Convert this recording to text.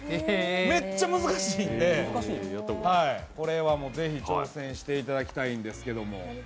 めっちゃ難しいんで、これは是非挑戦していただきたいんですけど。